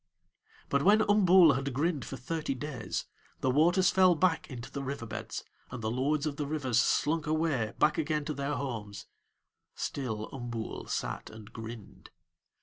But when Umbool had grinned for thirty days the waters fell back into the river beds and the lords of the rivers slunk away back again to their homes: still Umbool sat and grinned.